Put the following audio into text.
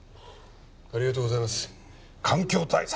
ありがとうございます環境対策